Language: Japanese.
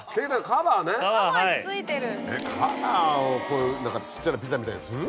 カバーをちっちゃなピザみたいにする？